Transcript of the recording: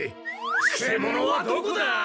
くせ者はどこだ？